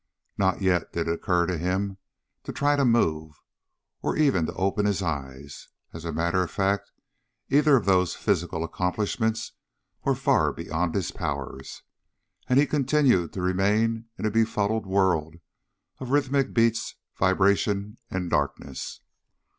Not yet did it occur to him to try to move, or even to open his eyes. As a matter of fact, either of those physical accomplishments was far beyond his powers. And he continued to remain in a befuddled world of rhythmic beats, vibration, and darkness.